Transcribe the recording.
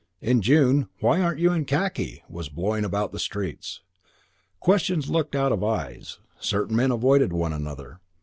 In June, "Why aren't you in khaki?" was blowing about the streets. Questions looked out of eyes. Certain men avoided one another.